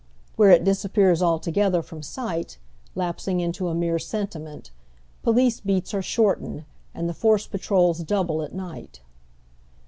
"Where it dis appears altogether from sight, lapsing into a mere sen timent, police beats are ehortened and the force patrols double at night.